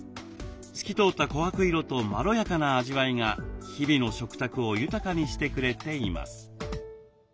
透き通った琥珀色とまろやかな味わいが日々の食卓を豊かにしてくれています。